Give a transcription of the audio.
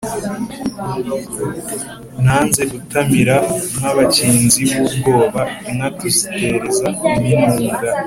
Nanze gutamira nk'abakinzi b'ubwoba, inka tuzitereza iminunga;